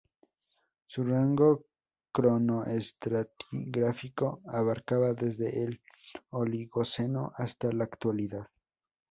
Su rango cronoestratigráfico abarcaba desde el Oligoceno hasta la Actualidad.